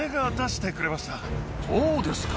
そうですか。